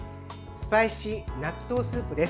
スパイシー納豆スープです。